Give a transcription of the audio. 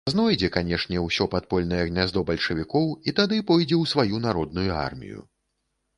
Знойдзе, канешне, усё падпольнае гняздо бальшавікоў і тады пойдзе ў сваю народную армію.